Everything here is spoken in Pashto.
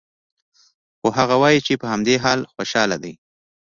خو هغه وايي چې په همدې حال خوشحال دی